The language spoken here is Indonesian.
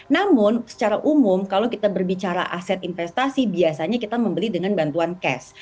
namun secara umum kalau kita berbicara aset investasi biasanya kita membeli dengan bantuan cash